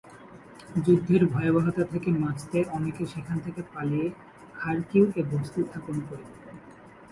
যুদ্ধের ভয়াবহতা থেকে বাঁচতে অনেকে সেখান থেকে পালিয়ে খারকিউ-এ বসতি স্থাপন করেন।